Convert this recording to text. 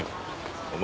お前